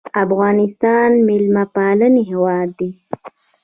افغانستان د میلمه پالنې هیواد دی